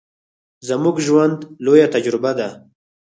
زموږ ژوند، لويه تجربه ده.